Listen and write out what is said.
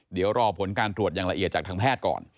เดี๋ยวรอผลการตรวจอย่างละเอียดจากทางแพทย์ก่อน